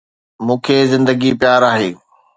مون کي زندگي پيار آهي